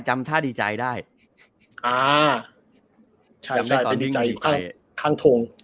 จำถ้าดีใจด้าย